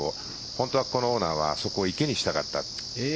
本当はこのオーナーはそこを池にしたかった。